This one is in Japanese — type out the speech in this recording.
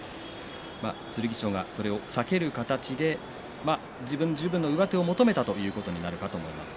剣翔がそれを避ける形で自分に十分の上手を求めたということになるかもしれません。